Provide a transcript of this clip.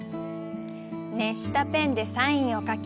熱したペンでサインを書き